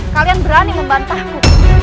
kalian berani membantahku